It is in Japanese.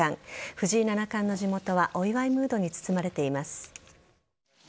藤井七冠の地元はお祝いムードに包まれています。